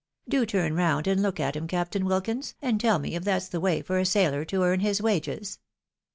Do turn round and look at him. Captain Wilkins, and tell me if that's the way for a sailor to earn his wages